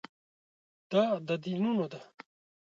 دا د دینونو ده.